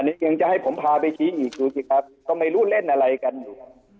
นี่ยังจะให้ผมพาไปชี้อีกดูสิครับก็ไม่รู้เล่นอะไรกันอยู่